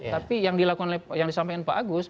tapi yang dilakukan yang disampaikan pak agus